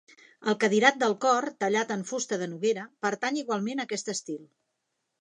El cadirat del cor, tallat en fusta de noguera, pertany igualment a aquest estil.